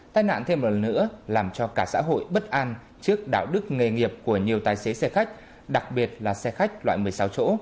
tai nạn thêm một lần nữa làm cho cả xã hội bất an trước đạo đức nghề nghiệp của nhiều tài xế xe khách đặc biệt là xe khách loại một mươi sáu chỗ